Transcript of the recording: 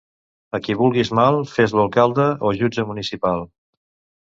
A qui vulguis mal, fes-lo alcalde o jutge municipal.